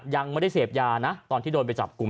ยังไม่ได้เสพยานะตอนที่โดนไปจับกลุ่ม